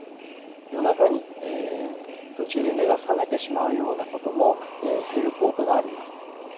夜中に途中で目が覚めてしまうようなことも減る効果があります。